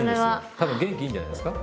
多分元気いいんじゃないですか？